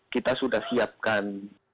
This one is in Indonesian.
kita sudah siapkan